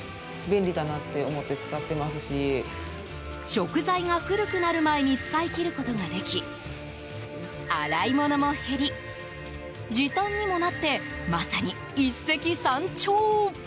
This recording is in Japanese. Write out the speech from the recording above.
食材が古くなる前に使い切ることができ洗い物も減り、時短にもなってまさに一石三鳥。